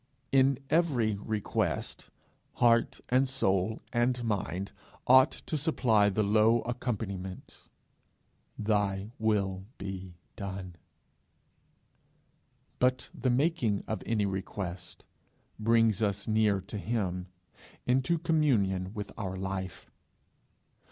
In every request, heart and soul and mind ought to supply the low accompaniment, 'Thy will be done;' but the making of any request brings us near to him, into communion with our Life.